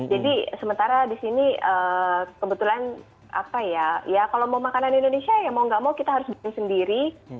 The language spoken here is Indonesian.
jadi sementara di sini kebetulan apa ya ya kalau mau makanan indonesia ya mau gak mau kita harus beli sendiri